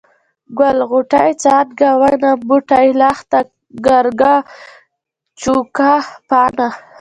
ګل، غوټۍ، څانګه ، ونه ، بوټی، لښته ، ګرګه ، چوکه ، پاڼه،